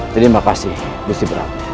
terima kasih busur perang